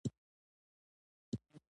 ټول نومځري هم جنس او جمع نوم راښيي.